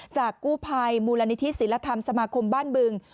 กู้ภัยมูลนิธิศิลธรรมสมาคมบ้านบึง